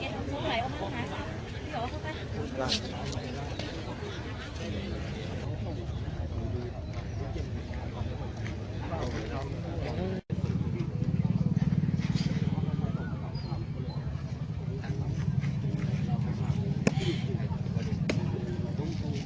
ทางที่จะไปแกล้ง